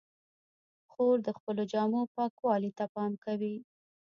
خور د خپلو جامو پاکوالي ته پام کوي.